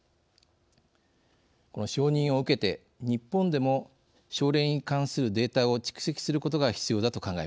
この承認を受けて日本でも症例に関するデータを蓄積することが必要だと考えます。